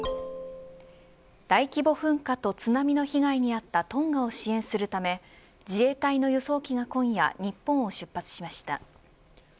大規模噴火と津波の被害にあったトンガを支援するため自衛隊の輸送機が今夜日本を出発しました。